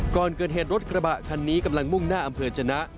ก่อนเกิดเหตุรถกระบะคันนี้กำลังมุ่งหน้าอำเภอจนะ